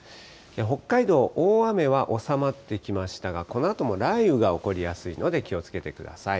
北海道、大雨は収まってきましたが、このあとも雷雨が起こりやすいので気をつけてください。